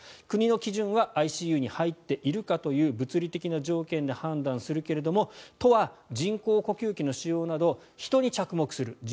国の基準はＩＣＵに入っているかという物理的な条件で判断するけれども都は人工呼吸器の使用など人に着目する。